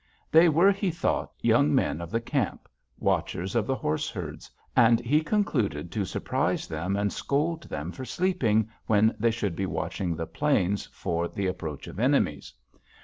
They were, he thought, young men of the camp, watchers of the horse herds, and he concluded to surprise them and scold them for sleeping when they should be watching the plains for the approach of enemies.